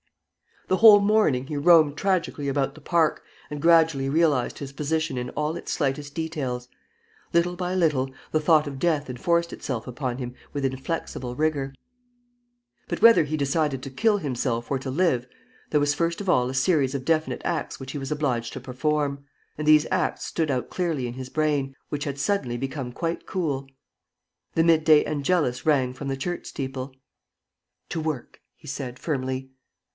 The whole morning, he roamed tragically about the park and gradually realized his position in all its slightest details. Little by little, the thought of death enforced itself upon him with inflexible rigor. But, whether he decided to kill himself or to live, there was first of all a series of definite acts which he was obliged to perform. And these acts stood out clearly in his brain, which had suddenly become quite cool. The mid day Angelus rang from the church steeple. "To work!" he said, firmly.